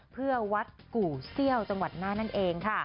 เพื่อวัดกู่เซี่ยวจังหวัดน่านนั่นเองค่ะ